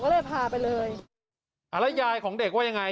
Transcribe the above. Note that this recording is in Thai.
แล้วยายของเด็กว่ายังไง